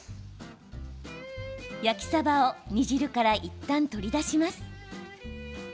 焼きさばを煮汁からいったん取り出します。